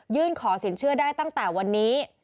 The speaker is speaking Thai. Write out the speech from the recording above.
ขอสินเชื่อได้ตั้งแต่วันนี้